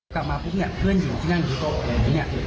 กลับมาพุกเนี่ยเพื่อนหญิงหญิงที่นั่งอยู่โต๊ะเนี่ย